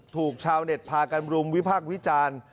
ถูกชาวเน็ตพากันรุมวิพากษ์วิจารณ์